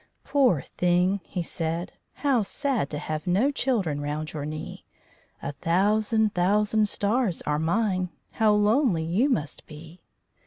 _ _"Poor thing!" he said. "How sad to have No children round your knee. A thousand thousand stars are mine How lonely you must be!"